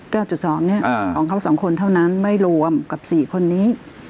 จุดสองเนี้ยอ่าของเขาสองคนเท่านั้นไม่รวมกับสี่คนนี้